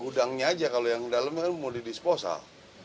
gudangnya aja kalau yang dalemnya kan mau di disposal